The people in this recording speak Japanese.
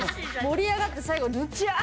盛り上がって最後ぬちゃ！